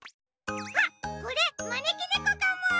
あっこれまねきねこかも！